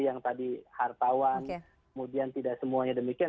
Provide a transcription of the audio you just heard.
yang tadi hartawan kemudian tidak semuanya demikian